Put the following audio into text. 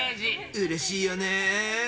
うれしいよねー。